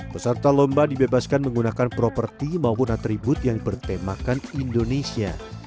peserta lomba dibebaskan menggunakan properti maupun atribut yang bertemakan indonesia